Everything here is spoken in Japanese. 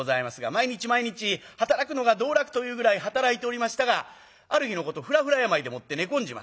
毎日毎日働くのが道楽というぐらい働いておりましたがある日のことふらふら病でもって寝込んじまった。